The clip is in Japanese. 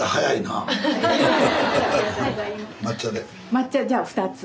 抹茶じゃあ２つ。